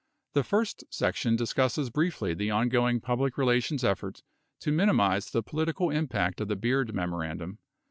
The first section discusses briefly the on going public relations effort to minimize the political impact of the Beard memorandum.